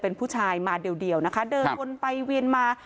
เป็นผู้ชายมาเดียวนะคะเดินวนไปเวียนมา